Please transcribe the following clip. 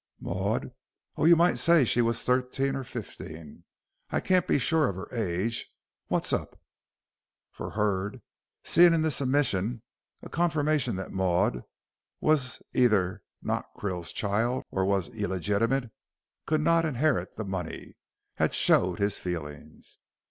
"Maud? Oh, you might say she was thirteen or fifteen. I can't be sure of her age. What's up?" For Hurd, seeing in this admission a confirmation that Maud was either not Krill's child or was illegitimate, and could not inherit the money, had showed his feelings.